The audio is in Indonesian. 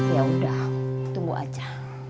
ya udah tunggu aja